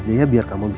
si buruk rupa